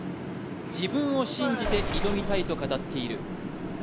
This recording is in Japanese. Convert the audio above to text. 自分を信じて挑みたいと語っている。